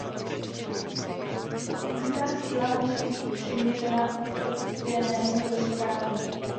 Použitá síla musí být přiměřená utrpěnému bezpráví.